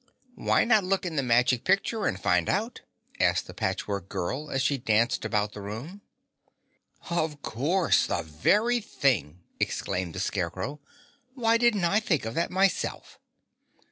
"Why not look in the Magic Picture and find out?" asked the Patchwork Girl, as she danced about the room. "Of course, the very thing!" exclaimed the Scarecrow. "Why didn't I think of that myself?"